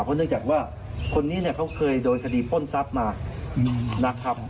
เพราะเนื่องจากว่าคนนี้เนี่ยเขาเคยโดนคดีปล้นทรัพย์มานะครับ